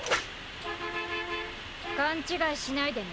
勘違いしないでね。